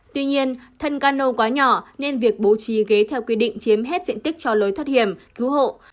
tuy nhiên thân cano quá nhỏ nên việc bố trí ghế theo quy định chiếm hết diện tích cho lối thoát hiểm cứu hộ